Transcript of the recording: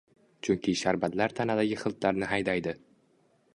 Chunki sharbatlar tanadagi hiltlarni haydaydi.